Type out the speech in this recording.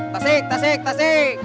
tasik tasik tasik